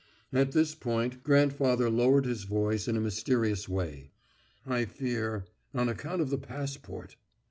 At this point grandfather lowered his voice in a mysterious way. "I fear, on account of the passport.